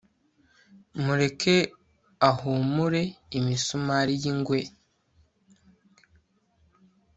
Mureke ahumure imisumari yingwe